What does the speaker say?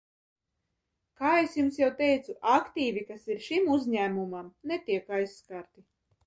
Kā es jums jau teicu, aktīvi, kas ir šim uzņēmumam, netiek aizskarti.